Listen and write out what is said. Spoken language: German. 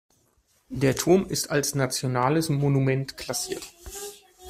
Der Turm ist als nationales Monument klassiert.